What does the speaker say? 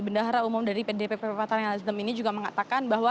bendahara umum dari pdpp partai nasdem ini juga mengatakan bahwa